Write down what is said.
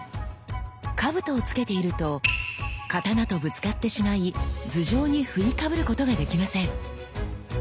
兜を着けていると刀とぶつかってしまい頭上に振りかぶることができません。